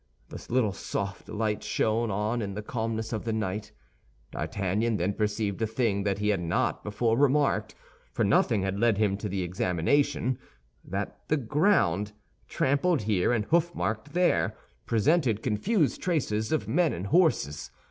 The little soft light shone on in the calmness of the night. D'Artagnan then perceived a thing that he had not before remarked—for nothing had led him to the examination—that the ground, trampled here and hoofmarked there, presented confused traces of men and horses.